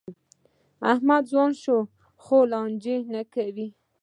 احمد ځوان شو؛ خو لانجه نه کوي.